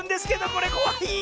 これこわい！